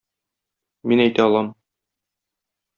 Мин әйтә алам